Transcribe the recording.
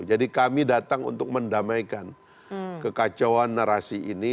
jadi kami datang untuk mendamaikan kekacauan narasi ini